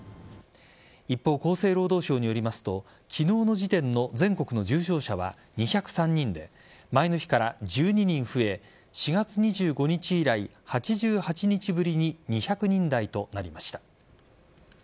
一方、厚生労働省によりますと昨日の時点の全国の重症者は２０３人で前の日から１２人増え４月２５日以来、８８日ぶりに２００人台となりました。